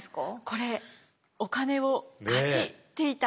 これお金を貸していた。